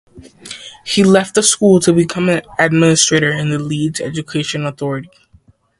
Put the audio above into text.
He left the school to become an administrator in the Leeds Education Authority.